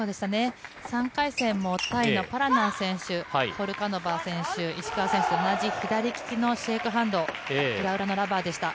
３回戦もタイのパラナン選手ポルカノバ選手石川選手と同じ左利きのシェークハンドの選手でした。